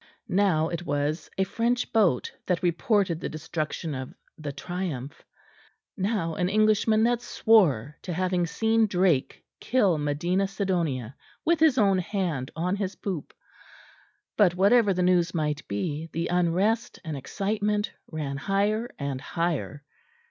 Now it was a French boat that reported the destruction of the Triumph; now an Englishman that swore to having seen Drake kill Medina Sidonia with his own hand on his poop; but whatever the news might be, the unrest and excitement ran higher and higher.